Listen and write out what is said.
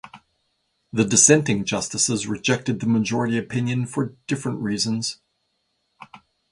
The dissenting justices rejected the majority opinion for different reasons.